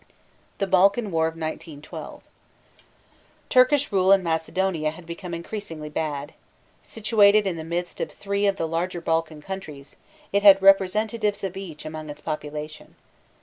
THE BALKAN WAR OF 1912. Turkish rule in Macedonia had become increasingly bad. Situated in the midst of three of the larger Balkan countries, it had representatives of each among its population.